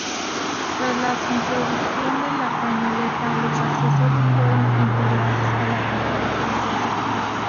Tras la introducción de la pañoleta, los accesorios fueron integrados a la cultura francesa.